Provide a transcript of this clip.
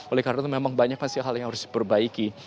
oleh karena itu memang banyak hal yang harus diperbaiki